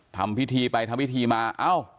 ทำพิธีไปทำพิธีมาเอ้า